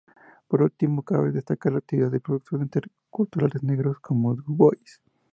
Por último, cabe destacar la actividad y producción de intelectuales negros como Du Bois.